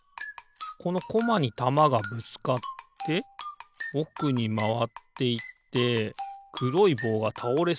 このコマにたまがぶつかっておくにまわっていってくろいぼうがたおれそうだな。